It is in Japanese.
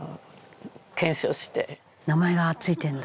「名前が付いてるんだ」